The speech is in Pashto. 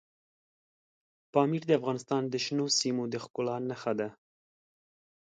پامیر د افغانستان د شنو سیمو د ښکلا نښه ده.